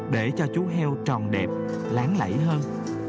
để cho chú heo tròn đẹp láng lẫy hơn